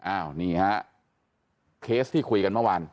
อ้าวนี่ฮะเคสที่คุยกันเมื่อวาน